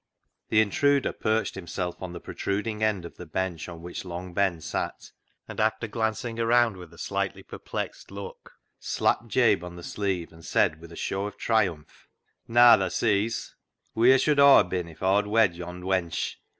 The intruder perched himself on the protrud ing end of the bench on which Long Ben sat, and after glancing round with a slightly per plexed look slapped Jabe on the sleeve and said, with a show of triumph —" Naa, tha sees ; wheer should Aw ha' been if Aw'd wed yond' wench